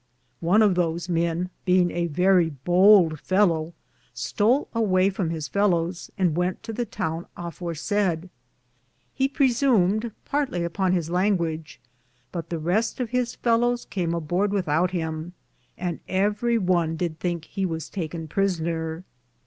One of those men, beinge a verrie bould fellow, stole away from his fellowes, and wente to the towne aforesayde. He presumed partly upon his language, but the reste of his fellowes came aborde without him, and everie one did thinke that he was taken prisoner.